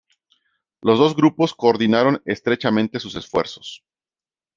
Los dos grupos coordinaron estrechamente sus esfuerzos.